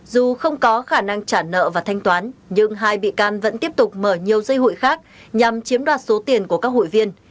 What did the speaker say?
dù không có khả năng trả nợ và thanh toán nhưng hai bị can vẫn tiếp tục mở nhiều dây hụi khác nhằm chiếm đoạt số tiền của các hụi viên